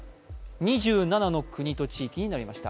２７の国と地域になりました。